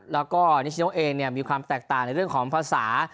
แล้วก็นิชโนเองมีความแตกต่างในเรื่องของภาษา